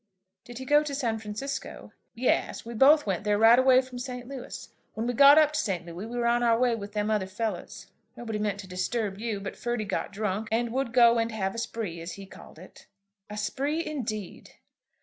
"Did he go to San Francisco?" "Yes, we both went there right away from St. Louis. When we got up to St. Louis we were on our way with them other fellows. Nobody meant to disturb you; but Ferdy got drunk, and would go and have a spree, as he called it." "A spree, indeed!"